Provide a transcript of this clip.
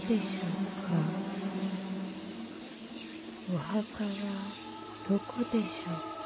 ・お墓はどこでしょうか。